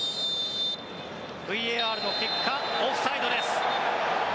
ＶＡＲの結果、オフサイドです。